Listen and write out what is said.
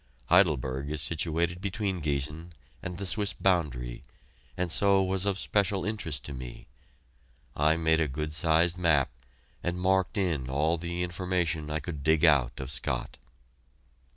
Heidelberg is situated between Giessen and the Swiss boundary, and so was of special interest to me. I made a good sized map, and marked in all the information I could dig out of Scott.